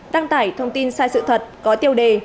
đăng tải thông tin sai sự thật có tiêu đề